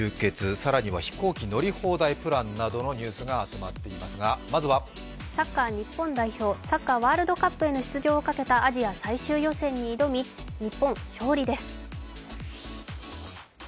左欄は飛行機乗り放題プランなどのニュースが集まっていますが、まずはサッカー日本代表、サッカー・ワールドカップへの出場をかけたアジア最終予選に挑み、日本、勝利です。